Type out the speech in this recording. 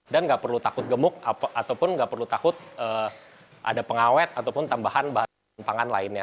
dan enggak perlu takut gemuk ataupun enggak perlu takut ada pengawet ataupun tambahan bahan pangan lainnya